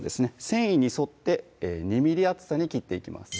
繊維に沿って２ｍｍ厚さに切っていきます